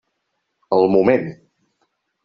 El Moment!